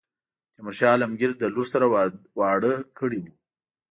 تیمور شاه عالمګیر له لور سره واړه کړی وو.